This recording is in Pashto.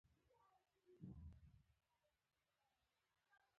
د ټولني د عیبونو د معلومولو له پاره بېلابېلې طریقي سته.